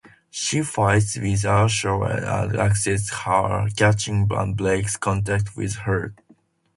She fights with Aishwarya and accuses her of cheating and breaks contact with her.